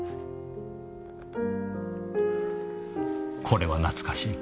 これは懐かしい。